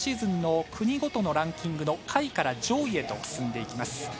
今シーズンの国ごとのランキングの下位から上位へと進んでいきます。